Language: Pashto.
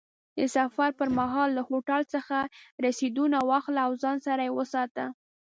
د سفر پر مهال له هوټل څخه رسیدونه واخله او ځان سره یې وساته.